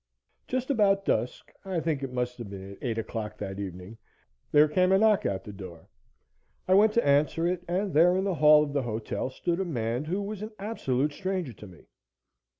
Just about dusk I think it must have been at 8 o'clock that evening there came a knock at the door. I went to answer it, and there in the hall of the hotel stood a man who was an absolute stranger to me.